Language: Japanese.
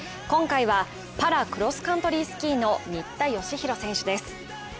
今回はパラ・クロスカントリースキーの新田佳浩選手です。